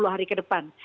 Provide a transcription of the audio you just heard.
dua puluh hari ke depan